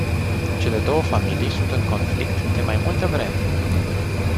Cele două familii sunt în conflict de mai multă vreme.